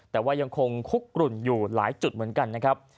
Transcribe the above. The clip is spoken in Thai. แต่ว่ายังคงคุกกลุ่นอยู่หลายจุดเหมือนกันนะครับ